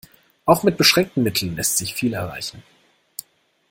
Auch mit beschränkten Mitteln lässt sich viel erreichen.